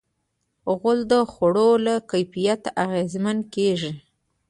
غول د خوړو له کیفیت اغېزمن کېږي.